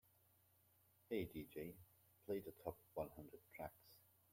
"Hey DJ, play the top one hundred tracks"